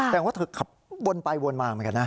แต่ว่าเธอขับวนไปวนมาเหมือนกันนะ